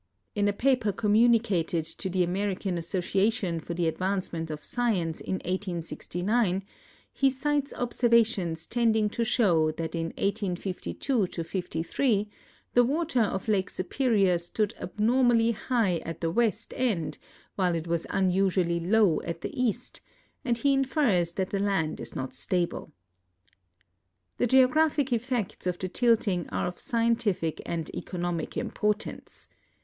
In a paper communicated to the American Association for the Advancement of Science in 1869, he cites observations tending to show that in 1852 '53 the water of Lake Superior stood abnormally high at the west end while it wius unusually low at the east, and he infers that the land is not stable. The geographic effects of the tilting are of scientific and eco nomic importance.